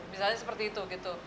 misalnya seperti itu